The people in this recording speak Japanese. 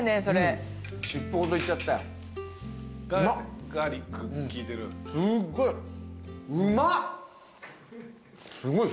すっごい。